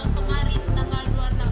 kemarin tanggal dua puluh delapan